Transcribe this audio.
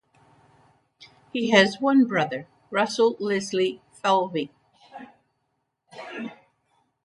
He has one brother Russell Leslie Falvey.